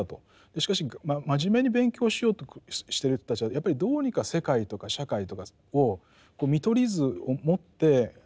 しかし真面目に勉強しようとしてる人たちはやっぱりどうにか世界とか社会とかを見取り図をもって理解したいという気持ちがあった。